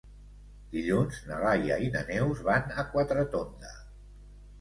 Dilluns na Laia i na Neus van a Quatretonda.